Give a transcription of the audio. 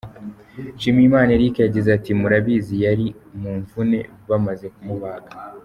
Nshimiyimana Eric yagize ati « Murabizi yari ari mu mvune bamaze kumubaga.